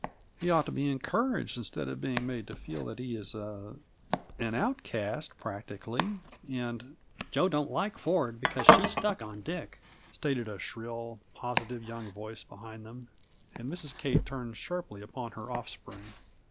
He ought to be encouraged, instead of being made to feel that he is a an outcast, practically. And " "Jo don't like Ford, because she's stuck on Dick," stated a shrill, positive young voice behind them, and Mrs. Kate turned sharply upon her offspring.